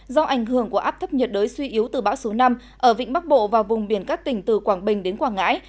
do ảnh hưởng của áp thấp nhiệt đới suy yếu từ bão số năm ở vịnh bắc bộ và vùng biển các tỉnh từ quảng bình đến quảng ngãi